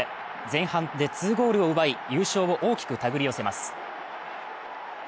前半で２ゴールを奪い、優勝を大きく手繰り寄せます。